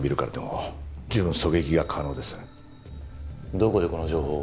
どこでこの情報を？